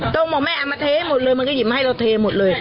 ต้องบอกแม่เอามาเทให้หมดเลยมันก็หยิบมาให้เราเทหมดเลย